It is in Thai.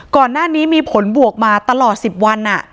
ก่อนหน้านี้มีผลบวกมาตลอด๑๐วัน